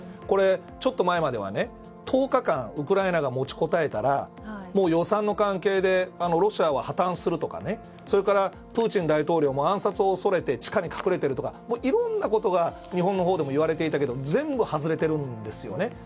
これ、ちょっと前までは１０日間ウクライナが持ちこたえたら予算の関係でロシアは破たんするとかプーチン大統領も暗殺を恐れて地下に隠れているとかいろんなことが日本のほうでもいわれていたけれども全部、外れているんですよね。